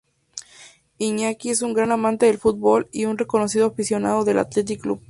Iñaki es un gran amante del fútbol y un reconocido aficionado del Athletic Club.